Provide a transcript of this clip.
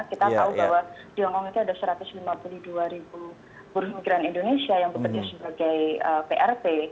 kita tahu bahwa di hongkong itu ada satu ratus lima puluh dua ribu buruh migran indonesia yang bekerja sebagai prp